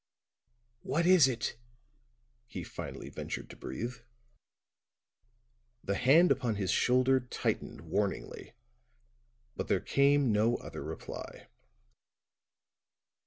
"What is it?" he finally ventured to breathe. The hand upon his shoulder tightened warningly; but there came no other reply.